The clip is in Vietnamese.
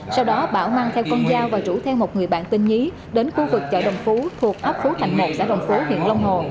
sau đó bảo mang theo con dao và rủ theo một người bạn tên nhí đến khu vực chợ đồng phú thuộc ấp phú thành một xã đồng phú huyện long hồ